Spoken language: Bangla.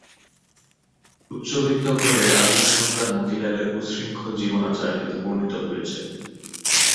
উচ্চবিত্ত ঘরের আদুরে সন্তান মতিলালের উচ্ছৃঙ্খল জীবনাচার এতে বর্ণিত হয়েছে।